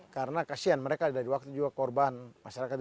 karena kasihan mereka dari waktu juga korban masyarakat